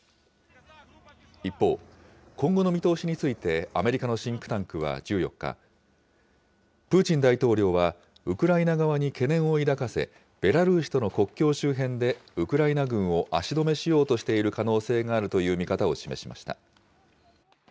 一方、今後の見通しについてアメリカのシンクタンクは１４日、プーチン大統領はウクライナ側に懸念を抱かせ、ベラルーシとの国境周辺でウクライナ軍を足止めしようとしている可能性があるという見方を示しました。